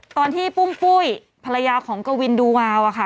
ตอนที่ปุ้มปุ้ยภรรยาของกวินดูวาวค่ะ